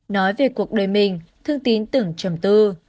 nói về cuộc đời mình thương tin tưởng chầm tư